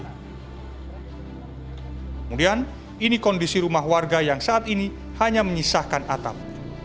kemudian ini kondisi rumah warga yang saat ini hanya menyisakan atap